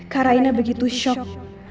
karena raina begitu shock